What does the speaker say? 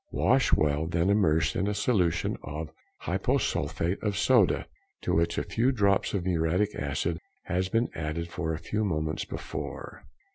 Wash well, then immerse in a solution of hyposulphate of soda to which a few drops of muriatic acid has been added a few moments before.